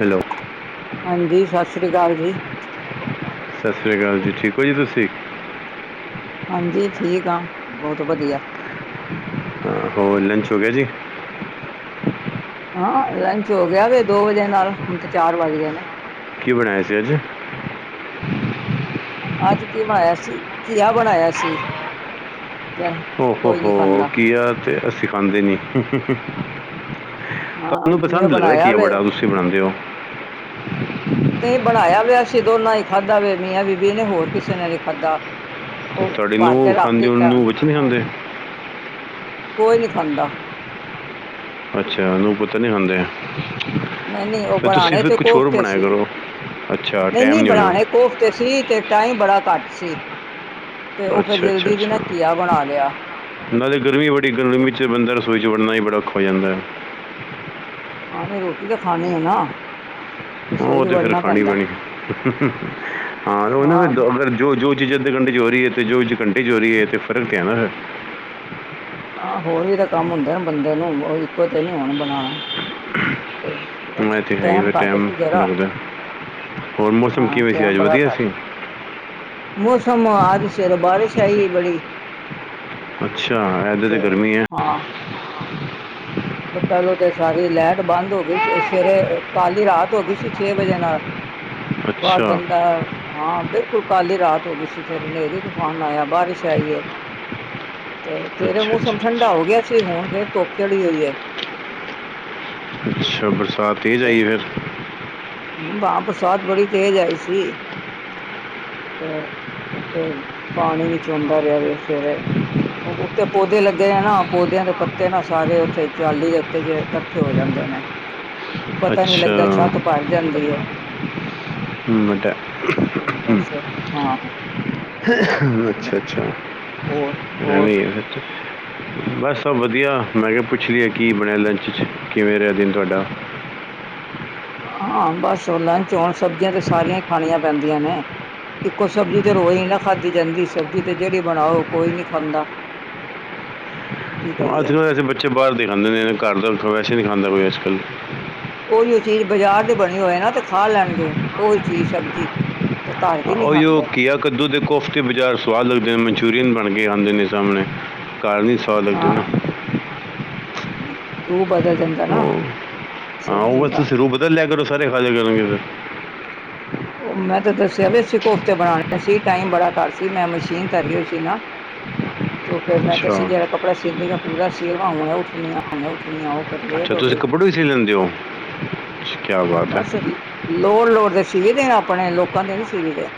Hello ਹਾਂਜੀ ਸਤਿ ਸ੍ਰੀ ਅਕਾਲ ਜੀ ਸਤਿ ਸ਼੍ਰੀ ਅਕਾਲ ਜੀ ਠੀਕ ਹੋ ਜੀ ਤੁਸੀਂ ਹਾਂਜੀ ਠੀਕ ਆ ਬਹੁਤ ਵਧੀਆ ਹਾਂ, ਹੋ ਲੰਚ ਹੋ ਗਿਆ ਜੀ ਹਾਂ ਲੰਚ ਹੋ ਗਿਆ ਵੇ ਦੋ ਵਜੇ ਨਾਲ ਹੁਣ ਤੇ ਚਾਰ ਵੱਜ ਗਏ ਨੇ ਕੀ ਬਣਾਇਆ ਸੀ ਅੱਜ ਅੱਜ ਕੀ ਬਣਾਇਆ ਸੀ ਕੀਆ ਬਣਾਇਆ ਸੀ ਜਿਹੜਾ ਹੋ ਕੋਈ ਨੀ ਹੋ ਖਾਂਦਾ ਕੀ ਆ ਤੇ ਅਸੀਂ ਖਾਂਦੇ ਨੀ ਹਾਂ ਤੈਨੂੰ ਜਿਵੇਂ ਪਸੰਦ ਲੱਗਦਾ ਬਣਾਇਆ ਕੀ ਆ ਵੇ ਵੜਾ ਤੁਸੀਂ ਬਣਾਉਂਦੇ ਹੋ ਨਹੀਂ ਬਣਾਇਆ ਵੇ ਆਸੀਂ ਦੋਨਾਂ ਹੀ ਖਾਧਾ ਵ ਮੀਆ ਬੀਬੀ ਇਹਨੇ ਹੋਰ ਕਿਸੇ ਨੇ ਨ ਖਾਧਾ ਉਹ ਤੁਹਾਡੀ ਨੂੰ ਭਰ ਕੇ ਰੱਖ। ਖਾਂਦੇ ਹੋ ਦਿਤਾ ਨੂੰ ਵਿੱਚ ਨਹੀਂ ਹਾਂ ਖਾਂਦੇ ਕੋਈ ਨਹੀਂ ਖਾਂਦਾ ਅੱਛਾ ਨੂੰਹ ਪੁੱਤਰ ਨੀ ਆਉਦੇਂ ਨਹੀਂ ਨਹੀਂ ਉਹ ਬਣਾਣੇ ਤੇ ਕੋਫਤੇ ਸੀ ਕਰੋ ਅੱਛਾ ਨਹੀਂ ਟਾਈਮ ਨਹੀਂ ਹੋਣਾ ਬਣਾਣੇ ਕੋਫਤੇ ਸੀ ਤੇ ਟਾਈਮ ਬੜਾ ਘੱਟ ਸੀ ਤੇ ਉਹ ਫੇਰ ਅੱਛਾ ਅੱਛਾ ਜਲਦੀ ਚ ਨਾ ਅੱਛਾ ਘੀਆ ਬਣਾ ਲਿਆ। ਨਾਲੇ ਗਰਮੀ ਬੜੀ ਤੇ ਗਰਮੀ ਚ ਬੰਦਾ ਰਸੋਈ ਚ ਵੜਨਾ ਹੀ ਬੜਾ ਔਖਾ ਹੋ ਜਾਂਦਾ ਹੈ। ਆ ਨੇ ਰੋਟੀ ਤਾਂ ਖਾਣੀ ਆ ਨਾ ਰਸੋਈ ਉਹ ਚ ਤੇ ਫੇਰ ਵੜਨਾ ਖਾਣੀ ਪੈਂਦਾ ਪੈਣੀ ਹਾਂ ਫ ਜੋ ਜਿੱਦ ਕੰਡੀ ਚ ਹੋ ਰਹੀ ਹੈ ਤੇ ਜੋ ਕੰ ਚ ਹੋ ਰਹੀ ਹੈ ਤੇ ਫਰਕ ਕਹਦਾ ਫ ਹਾਂ ਹੋਰ ਵੀ ਤਾਂ ਕੰਮ ਹੁੰਦੇ ਨਾ ਬੰਦੇ ਨੂੰ ਇੱਕੋ ਤੇ ਨੀ ਹੋਣ ਬਣਾਣਾ ਬ ਮੈਂ ਤੇ ਹੈਗੀ ਟੈਮ ਫਿਰ ਕਾਟ ਟਾਈਮ ਸੀ ਜਰਾ ਲੱਗਦਾ ਹੋਰ ਮੌਸਮ ਹਾਂ ਕਿਵੇਂ ਸੀ ਟੈਮ ਅੱਜ ਬੜਾ ਵਧੀਆ ਘੱਟ ਸੀ ਏ। ਮੌਸਮ ਆਦ ਸਿਰ ਬਾਰਿਸ਼ ਆਈ ਬੜੀ ਅੱਛਾ ਇੱਧਰ ਤੇ ਗਰਮੀ ਹੈ ਹਾਂ ਪਹਿਲੋਂ ਤੇ ਸਾਰੀ ਲਾਈਟ ਬੰਦ ਹੋ ਗਈ ਸੀ ਸਵੇਰੇ ਕੱਲ ਹੀ ਰਾਤ ਹੋ ਗਈ ਸੀ ਛੇ ਵਜੇ ਨਾਲ ਬਾਰ ਅੱਛਾ ਬੰਦਾ ਹਾਂ ਬਿਲਕੁਲ ਕਾਲੀ ਰਾਤ ਹੋ ਗਈ ਸੀ ਫੇਰ ਹਨੇਰੀ ਤੂਫਾਨ ਆਇਆ ਬਾਰਿਸ਼ ਆਈ ਏ ਤੇ ਫੇਰ ਅੱਛਾ ਅੱਛਾ ਮੌਸਮ ਠੰਢਾ ਹੋ ਅੱਛਾ। ਗਿਆ ਸੀ। ਹੁਣ ਫੇਿਰ ਧੁੱਪ ਚੜੀ ਹੋਈ ਏ। ਅੱਛਾ ਬਰਸਾਤੀ ਲਈ ਏ, ਫਿਰ ਹਾਂ। ਬਰਸਾਤ ਬੜੀ ਤੇਜ਼ ਆਈ ਸੀ, ਤੇ ਉੱਥੇ ਪਾਣੀ ਵੀ ਚ ਚੋਦਾ ਰਿਹਾ ਵੇ ਸਵੇਰੇ। ਉੱਥੇ ਪੌਦੇ ਲੱਗੇ ਆ ਨਾ, ਪੌਦਿਆਂ ਦੇ ਪੱਤੇ ਨਾ ਸਾਰੇ ਉੱਥੇ ਜਾਲੀ ਦੇ ਉੱਤੇ ਜ ਇਕੱਠੇ ਹੋ ਜਾਂਦੇ ਨੇ। ਅੱਛਾ। ਪੈ ਜਾਂਦੀ ਏ। ਹਮ ਮਟਾ ਤੇ ਹਮ ਬਸ ਹਾਂ ਅੱਛਾ ਅੱਛਾ ਹੋਰ ਏਂਵੀ ਏ ਹੋਰ ਬਸ ਵਧੀਆ ਮੈਂ ਕਿਹਾ ਪੁੱਛ ਪੁੱਛ ਲਈਏ ਕੀ ਬਣਿਆ ਲੰਚ 'ਚ ਕਿਵੇਂ ਰਿਹਾ ਦਿਨ ਤੁਹਾਡਾ ਹਾਂ ਬਸ ਲੰਚ ਹੁਣ ਸਬਜ਼ੀਆਂ ਤੇ ਸਾਰੀਆਂ ਹੀ ਖਾਣੀਆਂ ਪੈਂਦੀਆਂ ਨੇ ਇੱਕੋ ਸਬਜ਼ੀ ਤੇ ਰੋਜ਼ ਹੀ ਨਾ ਖਾਧੀ ਜਾਂਦੀ ਸਬਜ਼ੀ ਤੇ ਜਿਹੜੀ ਬਣਾਓ ਕੋਈ ਨੀ ਖਾਂਦਾ ??? ਕੀ ਅੱਜ ਕਰੀਏ ਕੱਲ ਐਸੇ ਬੱਚੇ ਬਾਹਰ ਦੇ ਖਾਂਦੇ ਨੇ ਘਰ ਦਾ ਵੈਸੇ ਨਹੀਂ ਖਾਂਦਾ ਕੋਈ ਅੱਜ ਕੱਲ ਉਹੀ ਉਹ ਚੀਜ਼ ਬਾਜ਼ਾਰ ਦੇ ਬਣੀ ਹੋਏ ਨਾ ਤੇ ਖਾ ਲੈਣਗੇ ਉਹੀ ਚੀਜ਼ ਸਬਜ਼ੀ ਤੇ ਘਰ ਦੀ ਨੀ ਉਈਉ ਖਾਂਦੇ ਘੀਆ ਕੱਦੂ ਦੇ ਕੋਫਤੇ ਬਾਜ਼ਾਰ ਸਵਾਦ ਲੱਗਦੇ ਨੇ ਮਨਚੂਰੀਅਨ ਬਣ ਕੇਏ ਆਉਂਦੇ ਨੇ ਸਾਹਮਣੇ ਕਾਰਨ ਹੀ ਸ ਲੱਗਦੇ ਨਾ ਰੂ ਬਦਲ ਜਾਦਾ ਰੂ ਬਦਲਿਆ ਲਿਆ ਕਰੋ ਸਾਰੇ ਖਾ। ਲਿਆ ਕਰਨਗੇ ਫਿਰ ਉਹ ਮੈਂ ਤਾਂ ਦੱਸਿਆ ਵੀ ਅਸੀਂ ਕੋਫਤੇ ਬਣਾਣੇ ਸੀ, ਟਾਈਮ ਬੜਾ ਘੱਟ ਸੀ, ਮੈਂ ਮਸ਼ੀਨ ਤਰੀ ਹੋਈ ਸੀ ਨਾ। [unintelligible] ਤੇ ਫੇਰ ਮੈਂ ਅੱਛਾ ਕਿਹਾ ਜਿਹੜਾ ਕੱਪੜਾ ਸੀਂਦੀ ਮੈਂ ਪੂਰਾ ਸੀਅ ਲਵਾਂ, ਹੁਣੇ ਉੱਠਣੀ ਆਂ-ਉੱਠਣੀ ਆਂ ਉਹ ਫੇਰ ਲੇਟ ਅੱਛਾ ਹੋ ਤੁਸੀਂ ਗਈ ਕੱਪੜੋਂ ਵੀ ਸੀ ਲੈਂਦੇ ਓ, ਅੱਛਾ ਕਿਆ ਬਾਤ ਐ। ਲੋੜ-ਲੋੜ ਤੇ ਸੀਵੀਦੇ ਆ ਆਪਣੇ, ਲੋਕਾਂ ਦੇ ਨੀ ਸੀਵੀਦੇ।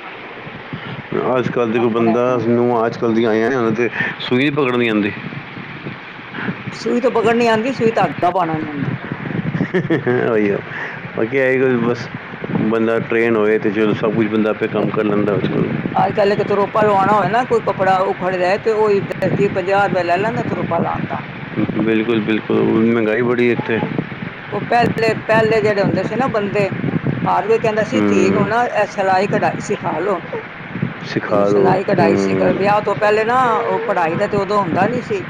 ਅੱਜ-ਕੱਲ੍ਹ ਦੇ ਕੋਈ ਬੰਦਾ ਆਪਣੇ ਨੂੰਹਾਂ ਅੱਜ-ਕੱਲ ਦੀਆਂ ਆਈਆ ਨੇ, ਉਹਨਾਂ ਤੇ ਸੂਈ ਨੀ ਪਕੜਨੀ ਆਂਦੀ। ਸੂਈ ਤੇ ਪਕੜਨੀ ਆਂਦੀ ਐ, ਸੂਈ ਚ ਧਾਗਾ ਪਾਣਾ ਨੀ ਆਂਦਾ। ਉਹੀ ਏ ਬਾਕੀ ਆਹੀ ਕੋ, ਹਾਂ ਬਸ ਬੰਦਾ ਟ੍ਰੇਨ ਹੋਵੇ ਤੇ ਚਲੋ ਸਭ ਕੁਛ ਬੰਦਾ ਤੇ ਕੰਮ ਕਰ ਲੈਂਦਾ ਅੱਜ-ਕੱਲ। ਅੱਜ-ਕੱਲ੍ਹ ਇੱਕ ਤਰੋਪਾ ਲਵਾਣਾ ਹੋਵੇ ਨਾ ਕੋਈ ਕੱਪੜਾ ਉਖੜ ਰਿਹਾ, ਤੇ ਉਹ ਦੇ ਜੇ ਪੰਜਾਹ ਰੁਪਇਆ ਲੈ ਲੈਂਦਾ ਤਰੋਪਾ ਲਾਣ ਦਾ। ਬਿਲਕੁਲ-ਬਿਲਕੁਲ, ਹੋਰ ਮਹਿੰਗਾਈ ਬੜੀ ਏ ਏਥੇ। ਉਹ ਪਹਿਲੇ-ਪਹਿਲੇ ਜਿਹੜੇ ਹੁੰਦੇ ਸੀ ਨਾ ਬੰਦੇ, ਹਰ ਕੋਈ ਕਹਿੰਦਾ ਸੀ ਧੀ ਨੂੰ ਹੂੰ ਨਾ ਐ ਸਲਾਈ ਕਢਾਈ ਸਿਖਾ ਲੋ, ਇਹਨੂੰ ਸਿਖਾ ਦਿਓ ਸਿਲਾਈ ਕਢਾਈ ਸਿਖ ਹੂੰ ਵਿਆਹ ਤੋਂ ਪਹਿਲੇ ਨਾ ਉਹ ਪੜ੍ਹਾਈ ਤਾਂ ਤੇ ਉਦੋਂ ਹੁੰਦਾ ਨੀ ਸੀ।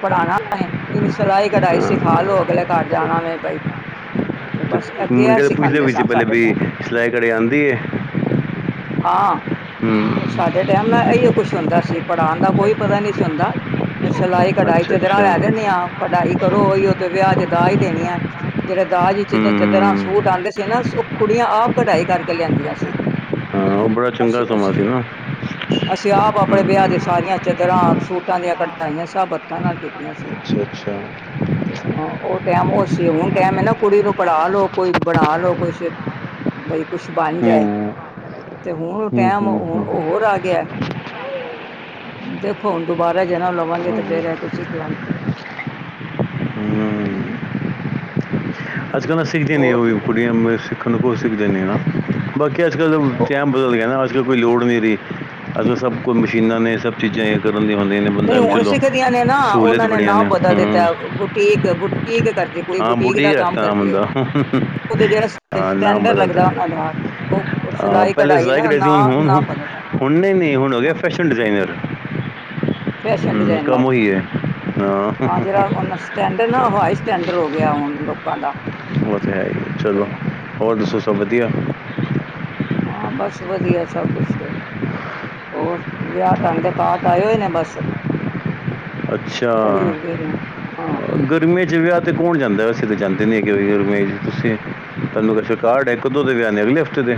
ਪੜਾਣਾ ਏ, ਇਹਨੂੰ ਸਿਲਾਈ ਕਢਾਈ ਹਾਂ ਸਿਖਾ ਲੋ, ਅਗਲੇ ਘਰ ਜਾਣਾ ਵੈਂ ਬਾਈ। ਤੇ ਮੁੰਡੇ ਤੇ ਪੁੱਛਦੇ ਵੀ ਸੀ ਸਨ ਪਹਿਲੇ, ਸਾਡੇ ਵੀ ਟਾਈਮ ਸਲਾਈ ਕੜਾਈ ਆਂਦੀ ਏ। ਹਾਂ, ਉਹ ਹੂੰ ਸਾਡੇ ਟੈਮ ਨਾ ਇਹੀਓ ਕੁਛ ਹੁੰਦਾ ਸੀ, ਪੜ੍ਹਾਣ ਦਾ ਕੋਈ ਪਤਾ ਨਹੀਂ ਸੀ ਹੁੰਦਾ। ਸਿਲਾਈ ਕਢਾਈ ਅੱਛਾ ਚਦਰਾ ਲੈ ਅੱਛਾ ਦਿੰਨੀ ਆ ਕਢਾਈ ਕਰੋ, ਉਹੀ ਉਹ ਤੇ ਵਿਆਹ ਚ ਦਾਜ ਦੇਣੀ ਐ। ਜਿਹੜੇ ਦਾਜ ਵਿੱਚ ਚਦਰਾਂ ਹੂੰ ਸੂਟ ਆਂਦੇ ਸੀ ਨਾ, ਉਹ ਕੁੜੀਆਂ ਆਪ ਕਢਾਈ ਕਰਕੇ ਲਿਆਂਦੀਆਂ ਸੀ। ਹਾਂ ਉਹ ਬੜਾ ਚੰਗਾ ਅਸੀਂ ਸਮਾਂ ਅਸੀਂ ਸੀ ਨਾ। ਅਸੀਂ ਆਪ ਆਪਣੇ ਵਿਆਹ ਹੂੰ ਦੇ ਸਾਰੀਆਂ ਚਦਰਾਂ, ਸੂਟਾਂ ਦੀਆਂ ਕਢਾਈਆਂ ਸਬ ਹੱਥਾਂ ਨਾਲ ਕੀਤੀਆਂ ਸੀ। ਅੱਛਾ-ਅੱਛਾ। ਤੇ ਹਾਂ ਉਹ ਟੈਮ ਉਹ ਸੀ, ਹੁਣ ਟੈਮ ਹੈ ਨਾ ਕੁੜੀ ਨੂੰ ਪੜ੍ਹਾ ਲੋ, ਕੋਈ ਬਣਾ ਲੋ ਕੁੱਛ। ਬਈ ਕੁੱਛ ਬਣ ਹੂੰ ਜਾਏ, ਤੇ ਹੁਣ ਹੂੰ ਟੈਮ ਹੂੰ ਹੁਣ ਹੂੰ ਹੋਰ ਆ ਗਿਆ। ਦੇਖੋ, ਹੁਣ ਦੁਬਾਰਾ ਜਨਮ ਲਵਾਂਗੇ, ਤੇ ਫੇਰ ਹਾਂਜੀ ਇਹ ਕੁਛ ਸਿਖਲਾਂਗੇ। [unintelligible] ਅੱਜ-ਕੱਲ੍ਹ ਤਾਂ ਸਿੱਖਦੀਆਂ ਨਈ, ਹੋਰ ਉਹ ਵੀ ਸੁਣਾ ਕੁੜੀਆਂ ਸਿੱਖਣ ਨੂੰ ਕੁਛ ਸਿੱਖਦੀ ਨੇ ਨਾ। ਬਾਕੀ ਅੱਜ-ਕੱਲ ਉਹ ਟੈਮ ਬਦਲ ਗਿਆ ਨਾ, ਅੱਜ-ਕੱਲ ਕੋਈ ਲੋੜ ਨਹੀਂ ਰਹੀ, ਅੱਜ-ਕੱਲ ਸਭ ਕੋਈ ਮਸ਼ੀਨਾਂ ਨੇ, ਸਭ ਚੀਜ਼ਾਂ ਇਹ ਕਰਨ ਦੀਆਂ ਹੁੰਦੀਆਂ ਨੇ ਬੰਦਾ ਨਹੀਂ ਐ ਵੀ ਹੁਣ ਚਲੋ, ਸਿੱਖਦੀਆਂ ਸਹੂਲਤਾਂ ਬੜੀਆਂ ਨੇ, ਹੂੰ। ਬੁਟੀਕ-ਬੁਟੀਕ ਕਰਦੇ ਕੋਈ, ਬੁਟੀਕ ਬੁੱਢੇ ਦਾ ਹੀ ਕੰਮ ਰੱਖਦਾ ਨਾਮ ਕਰਦੇ ਐ, ਬੰਦਾ ਉਹਦੇ ਜਿਹੜਾ ਹਾਂ ਨਾਮ ਸਟੈਂਡਰਡ ਬਦਲਦਾ ਲੱਗਦਾ ਹੈ ਉਹਨਾਂ ਦਾ, ਉਹ ਹਾਂ ਸਿਲਾਈ ਪਹਿਲੇ ਕਢਾਈ ਦਾ ਜ਼ਾਇਕ ਡੇ ਸੀ ਹੁਣ ਨਾਂ-ਨਾਂ- ਹੁਣ ਨਾਂ ਹੁਣ- ਵਧਦਾ। ਹੁਣ ਨਈ-ਨਈ ਹੁਣ ਹੋ ਗਿਆ, ਫੈਸ਼ਨ ਡਿਜ਼ਾਇਨਰ। ਫੈਸ਼ਨ ਹੂੰ, ਕੰਮ ਡਿਜ਼ਾਇਨਰ ਓਈ ਏ, ਹਾਂ। ਜਿਹੜਾ ਉਹ ਸਟੈਂਡਰਡ ਨਾ, ਉਹ ਹਾਈ ਚਲੋ ਸਟੈਂਡਰਡ ਹੋ ਗਿਆ ਹੁਣ ਲੋਕਾਂ ਦਾ। ਬਹੁਤ ਹੈ ਜੀ, ਤੇ ਚਲੋ ਹੋਰ ਦੱਸੋ ਸਭ ਵਧੀਆ। ਹਾਂ ਬਸ, ਵਧੀਆ ਸਭ ਕੁਛ। ਹੋ ਵਿਆਹ ਢੰਗ ਦੇ ਕਾਟ ਆਏ ਹੋਏ ਨੇ ਬਸ। ਅੱਛਾ, ਉਹੀ ਵੇਖ ਰਹੇ ਹਾਂ ਗ ਗਰਮੀਆਂ ਚ ਵਿਆਹ ਤੇ ਕੌਣ ਜਾਂਦਾ, ਅਸੀਂ ਤੇ ਜਾਂਦੇ ਨੀ ਗਰਮੀਆਂ ਚ ਤੁਸੀਂ, ਤੁਹਾਨੂੰ ਤੇ ਕਾਰਡ ਇੱਕ ਦੋ ਦੇ ਵਿਆਹ ਨੇ, ਅਗਲੇ ਹਫ਼ਤੇ ਦੇ।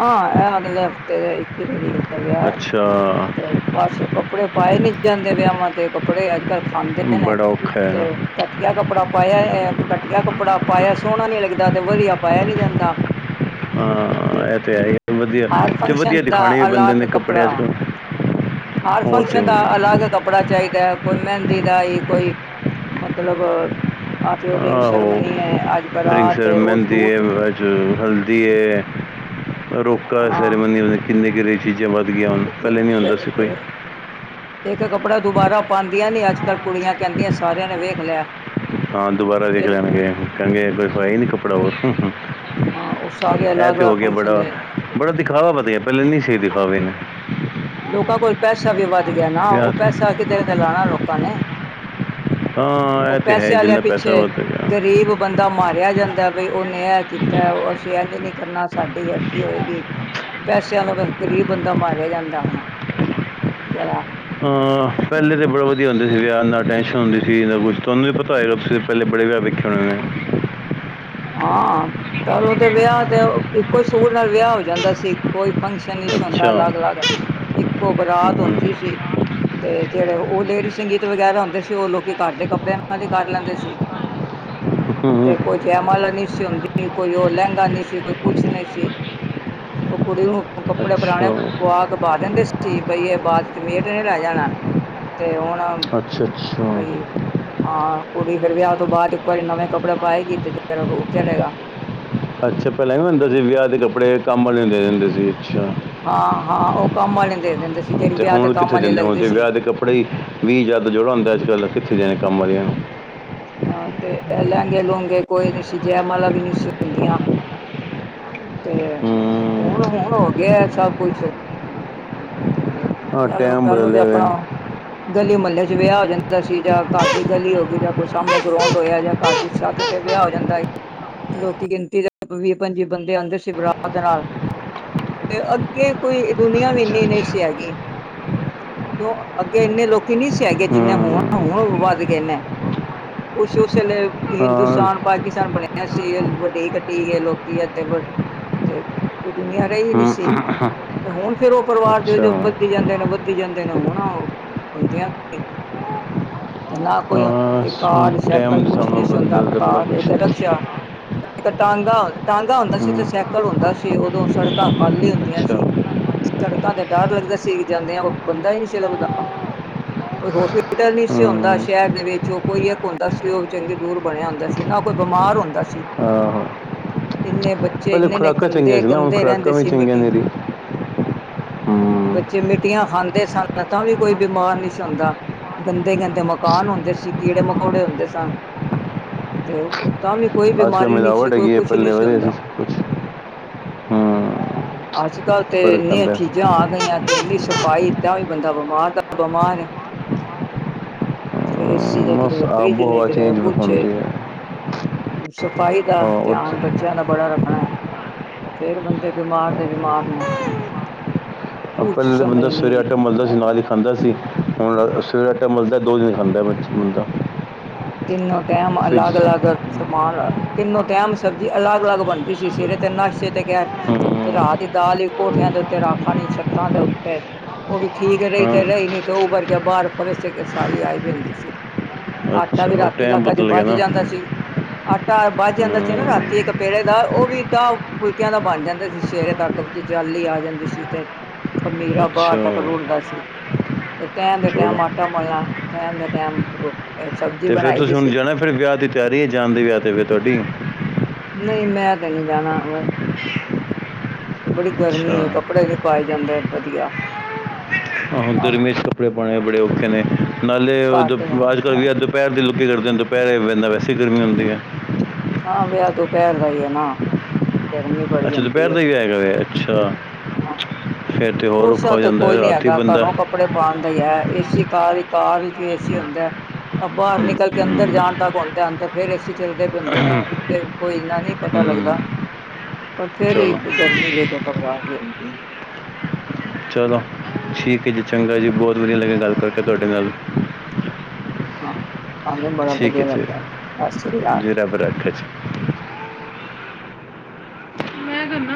ਆਹ ਇਹ ਅਗਲੇ ਹਫ਼ਤੇ ਦੇ ਇੱਕੀ ਤਰੀਕ ਦਾ ਵਿਆਹ ਐ, ਅੱਛਾ ਤੇ ਬਸ ਕੱਪੜੇ ਪਾਏ ਨੀ ਜਾਂਦੇ ਵਿਆਵਾਂ ਤੇ, ਕੱਪੜੇ ਅੱਜ-ਕੱਲ੍ਹ ਖਾਂਦੇ ਨੇ, ਬੜਾ ਔਖਾ ਹੈ ਤੇ ਘਟੀਆ ਕੱਪੜਾ ਪਾਇਆ ਐ, ਘਟੀਆ ਕੱਪੜਾ ਪਾਇਆ ਸੋਹਣਾ ਨੀ ਲੱਗਦਾ, ਤੇ ਵਧੀਆ ਪਾਇਆ ਨੀ ਜਾਂਦਾ। ਹਾਂ ਇਹ ਤੇ ਹੈ ਵਧੀਆ, ਹਰ ਤੇ ਫੰਕਸ਼ਨ ਵਧੀਆ ਦਾ ਦਿਖਾਣੇ ਵੀ ਪੈਂਦੇ ਨੇ ਅਲੱਗ ਕੱਪੜੇ ਕੱਪੜਾ ਅੱਜ-ਕੱਲ੍ਹ। ਹਰ ਫੰਕਸ਼ਨ ਦਾ ਅਲੱਗ ਕੱਪੜਾ ਚਾਹੀਦਾ ਐ, ਕੋਈ ਮਹਿੰਦੀ ਦਾ ਈ, ਕੋਈ ਮਤਲਬ ਅੱਜ ਰਿੰਗ ਆਹੋ ਸਰਮਨੀ ਐ, ਅੱਜ ਰਿੰਗ ਬਰਾਤ ਸਰ ਐ, ਉਹ ਮਹਿੰਦੀ ਹੈ ਸੂਟ ਅੱਜ ਹਲਦੀ ਏ, ਰੋਕਾ ਹਾਂ ਸੈਰੇਮਨੀ ਕਿੰਨੇ-ਕਿੰਨੇ ਚੀਜ਼ਾਂ ਵੱਧ ਗਈਆਂ ਹੁਣ। ਪਹਿਲੇ ਨੀ ਆਂਦਾ ਸੀ ਕੋਈ। ਫਿਰ ਇੱਕ ਕੱਪੜਾ ਦੁਬਾਰਾ ਪਾਂਦੀਆਂ ਨੀ ਅੱਜ-ਕੱਲ ਕੁੜੀਆਂ, ਕਹਿੰਦੀਆਂ ਸਾਰਿਆਂ ਨੇ ਵੇਖ ਲਿਆ। ਹਾਂ ਦੁਬਾਰਾ ਦੇਖ ਫਿਰ ਲੈਣਗੇ ਕਹਣਗੇ ਕੋਈ ਹੋਇਆ ਹੀ ਨਹੀਂ ਕੱਪੜਾ ਉਹ ਹਾਂ ਉਹ ਸਾਰੇ ਇਹ ਅਲੱਗ ਤੇ ਹੋ ਅਲੱਗ ਗਿਆ ਫੰਕਸ਼ਨ ਬੜਾ ਦੇ ਬੜਾ ਦਿਖਾਵਾ ਵਧੀਆ ਪਹਿਲੇ ਨਹੀਂ ਸਹੀ ਦਿਖਾਵੇ ਨੇ ਲੋਕਾਂ ਕੋਲ ਪੈਸਾ ਵੀ ਵੱਧ ਗਿਆ ਨਾ ਵਿਆਹ ਉਹ ਤੇ। ਪੈਸਾ ਕਿੱਦਾਂ ਤਾਂ ਕਿੱਦਾਂ ਲੋਕਾਂ ਨੇ ਹਾਂ ਉਹ ਇਹ ਤੇ ਪੈਸੇ ਹੈ ਵਾਲਿਆਂ ਜਿੰਨਾ ਪਿੱਛੇ ਪੈਸਾ ਵੱਧ ਗਿਆ ਗਰੀਬ ਬੰਦਾ ਮਾਰਿਆ ਜਾਂਦਾ ਬਈ ਉਹਨੇ ਇਹ ਕੀਤਾ ਅਸੀਂ ਇੰਜ ਨਹੀਂ ਕਰਨਾ ਸਾਡੀ ਹੀ ਇਕਠੀ ਹੋਏਗੀ ਪੈਸਿਆਂ ਦਾ ਗ਼ਰੀਬ ਬੰਦਾ ਮਾਰਿਆ ਜਾਂਦਾ ਹੁਣ ਜਰਾ ਹਾਂ ਪਹਿਲੇ ਤਾਂ ਬੜਾ ਵਧੀਆ ਹੁੰਦੇ ਸੀ ਵਿਆਹ ਨਾ ਟੈਸ਼ਨ ਹੁੰਦੀ ਸੀ ਨਾ ਕੁਛ ਤੁਹਾਨੂੰ ਨੀ ਪਤਾ ਹੋਏਗਾ ਤੁਂ ਪਹਿਲੇ ਬੜੇ ਵਿਆਹ ਵੇਖੇ ਹੋਣੇ ਨੇ ਹਾਂ ਤਨੂੰ ਦੇ ਵਿਆਹ ਤੇ ਆਓ ਇੱਕੋ ਹੀ ਸੂਟ ਨਾਲ ਵਿਆਹ ਹੋ ਜਾਂਦਾ ਸੀ। ਕੋਈ ਫੰਕਸ਼ਨ ਨਹੀਂ ਸੀ ਹੁੰਦਾ ਅੱਛਾ ਅਲੱਗ ਅਲੱਗ ਇੱਕੋ ਬਰਾਤ ਹਮ। ਹੁੰਦੀ ਸੀ। ਤੇ ਜਿਹੜੇ ਉਹ ਲੇਡੀਜ਼ ਸੰਗੀਤ ਵਗੈਰਾ ਹੁੰਦੇ ਸੀ ਉਹ ਲੋਕੀ ਘਰ ਦੇ ਕੱਪੜਿਆਂ ਦੇ ਨਾਲ ਕਰ ਲੈਂਦੇ ਸੀ। ਹੂ,,, ਜੈਮਾਲ ਨਹੀਂ ਸੀ ਹੁੰਦੀ ਕੋਈ ਉਹ ਲਹਿੰਗਾ ਨਹੀਂ ਸੀ ਕੋਈ ਕੁਛ ਨਹੀਂ ਸੀ ਉਹ ਕੁੜੀ ਨੂੰ ਕੱਪੜੇ ਪੁਰਾਣੇ ਅੱਛਾ ਪਆ ਕੇ ਪਾ ਦਿੰਦੇ ਸੀ ਬਈ ਇਹ ਬਾਅਦ ਚ ਮੇਟ ਨੇ ਲੈ ਜਾਣਾ ਤੇ ਹੁਣ ਅੱਛਾ ਸਹੀ ਅੱਛਾ ਹਾਂ ਕੁੜੀ ਫਿਰ ਵਿਆਹ ਤੋਂ ਬਾਅਦ ਇੱਕ ਵਾਰੀ ਨਵੇਂ ਕੱਪੜੇ ਪਾਏਗੀ ਤੇ ਰੂਹ ਚਲੇੇਗਾ ਅੱਛਾ ਪਹਿਲਾਂ ਵੀ ਹੁੰਦਾ ਸੀ ਵਿਆਹ ਦੇ ਕੱਪੜੇ ਕੰਮ ਵਾਲੀ ਨੂੰ ਦੇ ਦਿੰਦੇ ਸੀ। ਅੱਛਾ ਹਾਂ ਹਾਂ ਉਹ ਕੰਮ ਵਾਲੇ ਦੇ ਦਿੰਦੇ ਸੀ ਜਿਹੜੀ ਵਿਆਹ ਤੇ ਹੁਣ ਕੰਮ ਕਿੱਥੇ ਵਾਲੇ ਦਿੰਦੇ ਹੁਣ ਲੱਗਦੇ ਤੇ ਸੀ। ਵਿਆਹ ਦੇ ਕੱਪੜੇ ਵੀ ਜਦ ਜੋੜਾ ਹੁੰਦਾ ਅੱਜ ਕੱਲ ਕਿੱਥੇ ਜਾਣੇ ਕੰਮ ਵਾਲਿਆਂ ਨੂੰ ਹਾਂ ਤੇ ਲਹਿੰਗੇ ਲੂੰਗੇ ਕੋਈ ਨੀ ਸੀ ਜੈ ਮਾਲਾ ਵੀ ਨਹੀਂ ਹੁੰਦੀਆਂ ਤੇ ਹੂਨ ਹੂੰ ਹੂਨ ਹੋ ਗਿਆ ਸਭ ਕੁਛ ਆ ਕਰ ਲਓ ਟਾਈਮ ਕਰ ਲਓ ਤੇ ਬਦਲਿਆ ਆਪਣਾ ਹੋਇਆ ਗਲੀ ਮਹੱਲੇ ਚ ਵਿਆਹ ਆ ਜਾਂਦਾ ਸੀ ਜਾਂ ਘਰ ਦੀ ਗਲੀ ਹੋ ਗਈ ਜਾਂ ਕੋਈ ਸਾਹਮਣੇ ਗਰਾਉਂਡ ਹੋਇਆ ਜਾਂ ਘਰ ਦੀ ਛੱਤ ਤੇ ਵਿਆਹ ਹੋ ਜਾਂਦਾ ਲੋਕੀ ਗਿਣਤੀ ਦੇ ਵੀਹ ਪੰਜੀ ਬੰਦੇ ਆਉਂਦੇ ਸੀ ਬਰਾਤ ਨਾਲ ਤੇ ਅੱਗੇ ਕੋਈ ਦੁਨੀਆਂ ਵੀ ਅੱਛਾ ਇੰਨੀ ਨਹੀਂ ਅੱਛਾ ਸੀ ਹੈਗੀ ਕਿਉਂ ਅੱਗੇ ਇੰਨੇ ਲੋਕੀ ਨੀ ਸੀ ਆ ਗਏ ਜਿੰਨੇ ਹੂੰ ਹੋਣ ਹੋੁਣ ਵੱਧ ਗਏ ਨੇ ਕੁਛ ਉਸ ਵੇਲੇ ਹਾਂ ਹਿੰਦੁਸਤਾਨ -ਪਾਕਿਸਤਾਨ ਬਣਿਆ ਸੀ ਵੱਡੀ- ਕੱਟੀ ਗਏ ਲੋਕੀ ਇਦਾਂ ਬਟ ਤੇ ਉਹ ਦੁਨੀਆਂ ਰਾਈ ਨਹੀਂ ਹੂੰ, ਸੀ। ਤੇ ਹੁਣ ਫਿਰ ਓ ਪਰਿਵਾਰ ਜੋ ਅੱਛਾ ਜੋ ਵੱਧਦੀ ਆ ਜਾਂਦੇ ਨੇ ਵੱਧ ਵਧਦੀ ਜਾਂਦੇ ਨੇ ਹੁਣ ਬੰਦਿਆਂ ਤੇ -ਨਾ ਕੋਈ ਤੇ ਕਾਰ ਸਾਈਕਲ ਟਾਈਮ ਦੇ ਕੁਛ ਨੀ ਸਾਹਮਣੇ ਸੀ ਹੁੰਦਾ। ਬੰਦਾ ਤਾਂ ਬੜਾ ਕਾਰ ਕੁਛ ਇੱਕ ਹੂੰ ਰਕਸ਼ਾ- ਇੱਕ ਟਾਂਗਾ -ਟਾਂਗਾ ਹੁੰਦਾ ਸੀ ਤੇ ਸਾਈਕਲ ਹੁੰਦਾ ਸੀ। ਉਦੋਂ ਸੜਕਾਂ ਖਾਲੀ ਹੁੰਦੀਆਂ ਅੱਛਾ ਸੀ। ਹੂੰ ਸੜਕਾਂ ਤੇ ਡਰ ਲੱਗਦਾ ਸੀ ਜਾਂਦਿਆਂ। ਕੋਈ ਬੰਦਾ ਈ ਨੀ ਸੀ ਲੱਭਦਾ। ਕੋਈ ਹੋਸਪਿਟਲ ਨੀ ਸੀ ਹੁੰਦਾ ਸ਼ਹਿਰ ਦੇ ਵਿੱਚ। ਜੋ ਕੋਈ ਇੱਕ ਹੁੰਦਾ ਸੀ ਓ ਚੰਗੀ ਦੂਰ ਬਣਿਆ ਹੁੰਦਾ ਸੀ। ਨਾ ਕੋਈ ਬਿਮਾਰ ਹੁੰਦਾ ਸੀ। ਆਹੋ ਇੰਨੇ ਸਾਲ ਬੱਚ- ਪਹਿਲੇ ਖੁਰਾਕਾਂ ਚੰਗੀਆਂ ਸੀ ਨਾ ਹੁਣ ਖੁਰਾਕਾਂ ਵੀ ਚੰਗੀਆਂ ਨਹੀਂ ਮਿੱਟੀ ਰਹੀਆਂ ਬੱਚੇ ਮਿੱਟੀਆਂ ਖਾਂਦੇ ਸਨ ਤਾਂ ਵੀ ਕੋਈ ਬਿਮਾਰ ਨਹੀਂ ਹੁੰਦਾ ਗੰਦੇ ਗੰਦੇ ਮਕਾਨ ਹੁੰਦੇ ਸੀ ਕੀੜੇ ਮਕੌੜੇ ਹੁੰਦੇ ਸਨ ਤੇ ਤਾਂ ਵੀ ਕੋਈ ਅੱਜ ਕੱਲ੍ਹ ਬਿਮਾਰੀ ਨਹੀਂ ਸੀ ਮਿਲਾਵਟ ਕੋਈ ਹੈਗੀ ਹੈ ਕੁਛ ਨਹੀਂ ਪਹਿਲੇ ਸੀ ਵਧੀਆ ਹੁੰਦਾ ਸਭ ਕੁਛ ਹੂੰ ਅੱਜ ਕੱਲ ਤੇ ਫਰਕ ਇਨੇ ਪੈਂਦਾ ਹੈ। ਚੀਜ਼ਾਂ ਆ ਗਈਆਂ ਇੰਨੀ ਸਫ਼ਾਈ ਤਾਂ ਇਦਾਂ ਬੰਦਾ ਬਿਮਾਰ ਤਾਂ ਬਿਮਾਰ ਹੈ। [unintelligible] ਬਸ ਕਿਤੇ ਫਰਿਜ ਆਬੋ ਨੇ ਹਵਾ ਕਿਤੇ ਚੇਂਜ ਪੁਛੇ ਹੁੰਦੀ ਹੈ ਸਫ਼ਾਈ ਦਾ ਹਾਂ ਉੱਥੇ ਧਿਆਨ ਬੱਚਿਆਂ ਦਾ ਬੜਾ ਰੱਖਣਾ ਤੇ ਫਿਰ ਬੰਦੇ ਬਿਮਾਰ ਦੇ ਬਿਮਾਰ ਨੇ ਆਪਾਂ ਕੁਛ ਜਿੱਦਾਂ ਦਾ ਸਮਝ ਬੰਦਾ ਨੀ ਸਜੈਕਟ ਮਲਦਾ ਨਾਲ ਆਈ ਹੀ ਖਾਂਦਾ ਸੀ ਹੁਣ ਸਜੈਕਟ ਮਲਦਾ ਦੋ ਦਿਨ ਖਾਂਦਾ ਮਰਜ਼ੀ ਦਾ ਬੰਦਾ ਤਿੰਨੋ ਟਾਈਮ ਫਿਰ ਅਲੱਗ ਅਲੱਗ ਸਮਾਨ ਤਿੰਨੋ ਟਾਈਮ ਸਬਜ਼ੀ ਅਲੱਗ ਅਲੱਗ ਬਣਦੀ ਸੀ ਸਿਰੇ ਤੇ ਨਾਸੇ ਤੇ ਕੈਪ ਤੇ ਹਮ, ਰਾਹ ਦੀ ਦਾਲ ਹੀ ਕੋਠੀਆਂ ਦੇ ਉੱਤੇ ਰਾਖਾਣੀ ਛੱਤਾਂ ਦੇ ਉੱਤੇ ਉਹ ਵੀ ਠੀਕ ਰਹੀ ਹਾਂ ਤੇ ਰਹੀ ਨ ਤੇ ਉਭਰ ਕੇ ਬਾਹਰ ਫਰਸ਼ ਕੇ ਸਾਰੀ ਆਈ ਵੀ ਹੁੰਦੀ ਸੀ। ਤਾਂ ਅੱਛਾ ਵੀ ਉਹ ਰਾਤੀ ਟਾਈਮ ਤੱਕ ਅਜ ਬਦਲ ਗਿਆ ਬਚ ਨਾ ਜਾਂਦਾ ਸੀ। ਆਟਾ ਵੱਚ ਜਾਂਦਾ ਸੀ ਨਾ ਹਮ, ਰਾਤੀ ਇੱਕ ਪੇੜੇ ਦਾ ਓ ਵੀ ਦਾ ਫੁਲਕਿਆਂ ਦਾ ਬਣ ਜਾਂਦਾ ਸੀ ਸਵੇਰੇ ਤੱਕ ਵੀ। ਜਾਲੀ ਆ ਜਾਂਦੀ ਸੀ ਤੇ ਖਮੀਰਾ ਬਾਰ ਤੱਕ ਅੱਛਾ ਰੁੜਦਾ ਸੀ। ਤੇ ਟੈਮ ਦੇ ਚਲੋ ਟੈਮ ਆਟਾ ਮਲਣਾ -ਟੈਮ ਦੇ ਟੈਮ ਰੋ ਤੇ ਫੇਰ ਤੁਸੀਂ ਹੁਣ ਜਾਣਾ ਫੇਰ ਵਿਆਹ ਦੀ ਤਿਆਰੀ ਜਾਣ ਦੇ ਵਿਆਹ ਤੇ ਫੇਰ ਤੁਆਡੀ ਨਹੀਂ ਮੈਂ ਤੇ ਨਈ ਜਾਣਾ ਵ- ਬੜੀ ਗਰਮੀ ਅੱਛਾ ਏ ਕੱਪੜੇ ਨੀ ਪਾਏ ਜਾਂਦੇ ਵਧੀਆ। ਹ ਆਹ ਗਰਮੀ 'ਚ ਕੱਪੜੇ ਪਾਣੇ ਬੜੇ ਔਖੇ ਨੇ ਨਾਲੇ ਘਰ ਦੇ ਹਨ ਅੱਜ ਕੱਲ੍ਹ ਵੀ ਅੱਜ- ਪੈਰ ਦੀ ਲੋਕੀ ਕਰਦੇ ਦਪੈਰੇ ਬੰਦਾ ਵੈਸੇ ਈ ਗਰਮੀ ਹੁੰਦੀ ਐ। ਹਾਂ ਵਿਆਹ ਦੁਪਿਹਰ ਦਾ ਈ ਏ ਨਾ ਗਰਮੀ- ਬੜੀ ਅੱਛਾ ਦੁਪਿਹਰ ਹੁੰਦੀ ਦਾ ਹੈ ਈ ਵਿਆਹ ਹੈਗਾ ਵੇ ਅੱਛਾ ਹਾਂ ਫੇਰ ਤਾਂ ਹੋਰ ਉਸ ਔਖਾ ਹੋ ਤੇ ਜਾਂਦਾ ਕੋਈ ਨੀ ਰਾਤੀ ਹੈਗਾ ਬੰਦਾ- ਘਰੋਂ ਕੱਪੜੇ ਪਾਣ ਦਾ ਈ ਐ। ਏਸੀ ਕਾਰ ਵੀ ਕਾਰ ਵਿੱਚ ਏਸੀ ਹੁੰਦਾ। ਬਾਰ ਨਿਕਲ ਕੇ ਹੂੰ, ਅੰਦਰ ਜਾਣ ਤੱਕ ਹੋਂਦਾ ਅੰਦਰ ਫੇਰ ਏ ਸੀ ਚੱਲਦੇ ਪੇ ਹੁੰਦੇ ਨੇ। ਤੇ ਕੋਈ ਏਨਾ ਨੀ ਪਤਾ ਲੱਗਦਾ। ਹੂੰ, ਪਰ ਫੇਰ ਵੀ ਚਲੋ ਗਰਮੀ ਵੇਖ ਕੇ ਘਬਰਾਟ ਜੀ ਹੁੰਦੀ ਏ। [inaudible] ਚਲੋ ਠੀਕ ਏ ਜੀ ਚੰਗਾ ਜੀ ਬਹੁਤ ਵਧੀਆ ਲੱਗਿਆ ਗੱਲ ਕਰਕੇ ਤੁਆਡੇ ਨਾਲ ਹਾਂ ਸਾਨੂੰ ਵੀ ਬੜਾ ਠੀਕ ਹੈ ਵਧੀਆ ਲੱਗਾ ਏ ਜੀ ਸਾਸਰੀ ਕਾਲ। ਜੀ ਰੱਬ ਰੱਖੇ ਜੀ ਮੈਂ ਕਰਨਾ